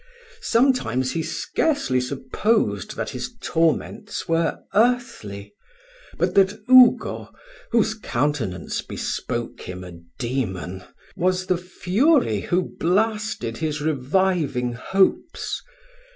Sometimes he scarcely supposed that his torments were earthly, but that Ugo, whose countenance bespoke him a demon, was the fury who blasted his reviving hopes.